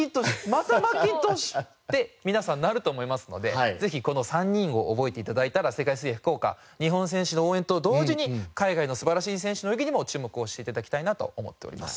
「またマッキントッシュ」って皆さんなると思いますのでぜひこの３人を覚えて頂いたら世界水泳福岡日本選手の応援と同時に海外の素晴らしい選手の泳ぎにも注目をして頂きたいなと思っております。